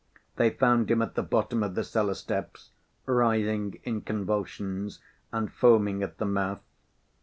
They found him at the bottom of the cellar steps, writhing in convulsions and foaming at the mouth.